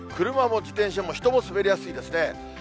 車も自転車も人も滑りやすいですね。